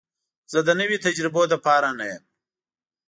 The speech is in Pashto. زه د نوي تجربو لپاره نه یم.